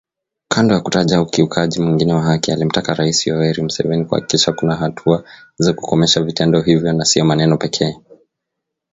kando ya kutaja ukiukaji mwingine wa haki, alimtaka Rais Yoweri Museveni kuhakikisha kuna hatua za kukomesha vitendo hivyo na sio maneno pekee